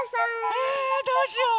えどうしよう！